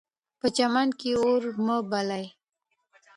په چمن کې اور مه بلئ.